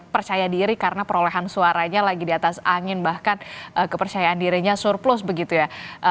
percaya diri karena perolehan suaranya lagi di atas angin bahkan kepercayaan dirinya surplus begitu ya